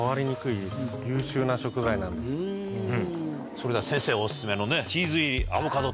それでは先生お薦めのね。